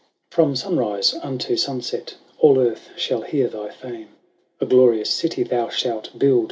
" From sunrise unto sunset All earth shall hear thy fame A glorious city thou shalt build.